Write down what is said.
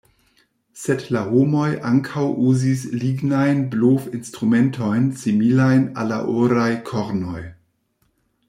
Sed la homoj ankaŭ uzis lignajn blov-instrumentojn similajn al la oraj kornoj.